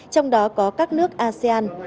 trong đó có các nước asean